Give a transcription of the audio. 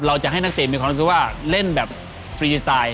เราจะให้นักเตะมีความรู้สึกว่าเล่นแบบฟรีสไตล์